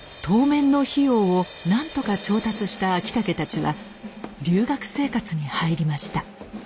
当面の費用をなんとか調達した昭武たちは留学生活に入りました。